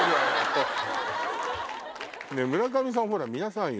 村上さん見なさいよ。